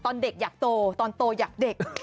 ตอนเด็กอยากโตตอนโตอยากเด็ก